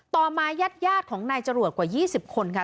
ต่อมายาดของนายจรวดกว่า๒๐คนค่ะ